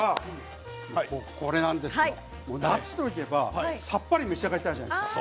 夏と言えばさっぱりと召し上がりたいじゃないですか。